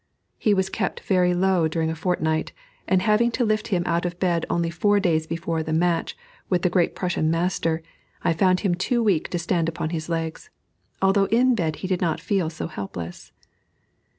He was kept very low during a fortnight, and having to lift him out of bed only four days before the match with the great Prussian master, I found him too weak to stand upon his legs, although in bed he did not feel so helpless.